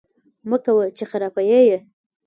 مکوه! چې خراپی یې